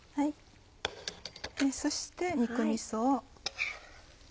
そして肉味噌を。